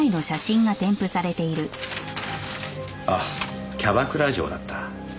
あっキャバクラ嬢だった。